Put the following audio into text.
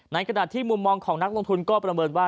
ในขณะที่มุมมองของนักลงทุนก็ประเมินว่า